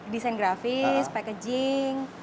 desain grafis packaging